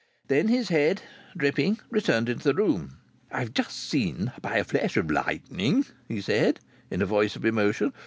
Then his head, dripping, returned into the room. "I've just seen by a flash of lightning," he said in a voice of emotion.